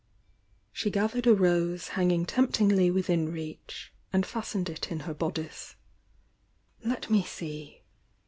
She gathered a rose hanging temptingly within reach, and fastened it in her bodice. "Let me see!"